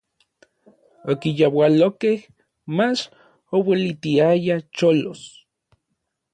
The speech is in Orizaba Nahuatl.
Okiyaualokej, mach ouelitiaya cholos.